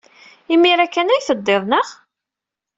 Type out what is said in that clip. Imir-a kan ay teddiḍ, naɣ?